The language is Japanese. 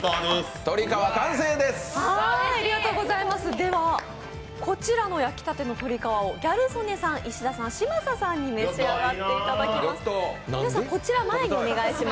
では、こちらの焼きたてのとり皮をギャル曽根さん、石田さん嶋佐さんに召し上がっていただきます。